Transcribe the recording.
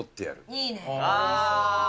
いいね。